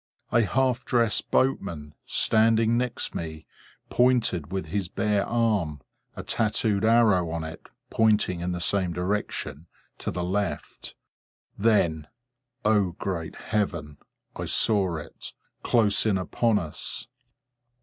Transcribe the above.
A half dressed boatman, standing next me, pointed with his bare arm (a tattoo'd arrow on it, pointing in the same direction) to the left. Then, O great Heaven, I saw it, close in upon us!